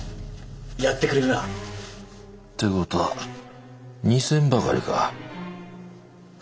やってくれるな？って事は２千ばかりか。